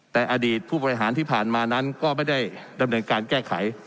แต่อดีตผู้บริหารที่ผ่านมานั้นก็ไม่ได้ดำเนินการแก้ไข